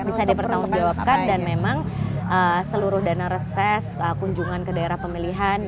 bisa dipertanggungjawabkan dan memang seluruh dana reses kunjungan ke daerah pemilihan